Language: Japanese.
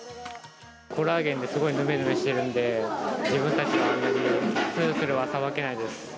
コラーゲンですごいぬめぬめしてるので、自分たちは、あんなにするするはさばけないです。